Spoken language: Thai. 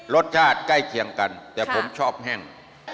รสชาติใกล้เคียงกันแต่ผมชอบแห้ง